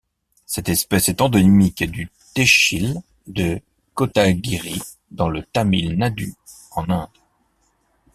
Cette espèce est endémique du tehsil de Kotagiri dans le Tamil Nadu en Inde.